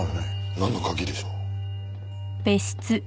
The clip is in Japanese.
なんの鍵でしょう？